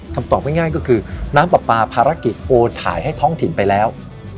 ตอบง่ายก็คือน้ำปลาปลาภารกิจโอนถ่ายให้ท้องถิ่นไปแล้ว